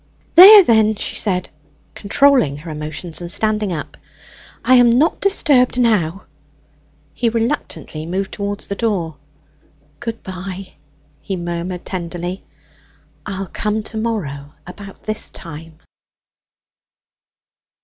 "There then," she said, controlling her emotion, and standing up; "I am not disturbed now." He reluctantly moved towards the door. "Good bye!" he murmured tenderly. "I'll come to morrow about this time."